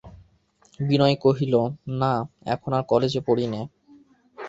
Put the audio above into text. বিনয় কহিল, না, এখন আর কলেজে পড়ি নে।